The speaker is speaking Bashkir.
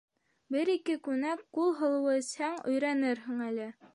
- Бер-ике күнәк күл һыуы эсһәң, өйрәнерһең әле.